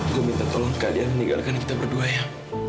gue minta tolong kalian meninggalkan kita berdua ya